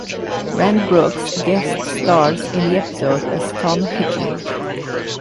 Rand Brooks guest stars in the episode as Tom Hickey.